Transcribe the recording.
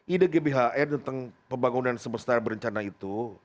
ide gbhn tentang pembangunan semesta berencana itu